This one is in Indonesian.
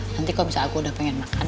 nanti kalau misalnya aku udah pengen makan